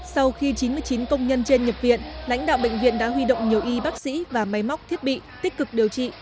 sau khi chín mươi chín công nhân trên nhập viện lãnh đạo bệnh viện đã huy động nhiều y bác sĩ và máy móc thiết bị tích cực điều trị